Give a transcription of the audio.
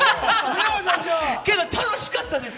けど楽しかったです。